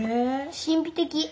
神秘的！